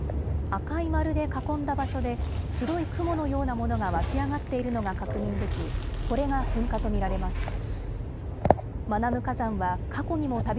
赤い丸で囲んだ場所で白い雲のようなものが湧き上がっているのが確認できこれが噴火と見られます。